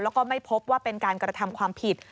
แล้วก็ไม่พบว่าเป็นการกระทำความผิด